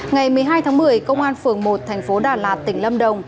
ngày một mươi hai tháng một mươi công an phường một thành phố đà lạt tỉnh lâm đồng